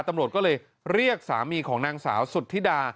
ตำรวจก็เลยเรียกสามีของนางสาวสุธิดา